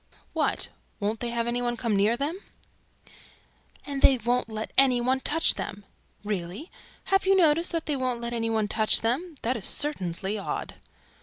"What? WON'T THEY HAVE ANY ONE COME NEAR THEM?" "AND THEY WON'T LET ANY ONE TOUCH THEM!" "Really? Have you noticed THAT THEY WON'T LET ANY ONE TOUCH THEM? That is certainly odd!"